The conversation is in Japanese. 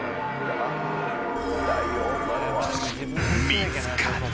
見つかった。